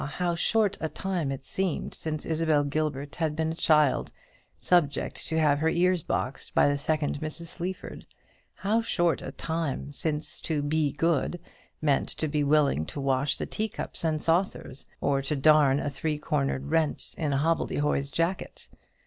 how short a time it seemed since Isabel Gilbert had been a child, subject to have her ears boxed by the second Mrs. Sleaford! how short a time since to "be good" meant to be willing to wash the teacups and saucers, or to darn a three cornered rent in a hobbledehoy's jacket!